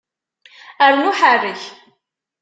Rnu ḥerrek!